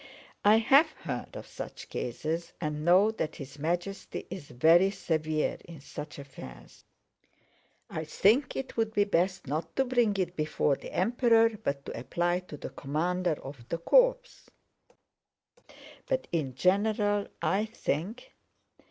"I have heard of such cases and know that His Majesty is very severe in such affairs. I think it would be best not to bring it before the Emperor, but to apply to the commander of the corps.... But in general, I think..."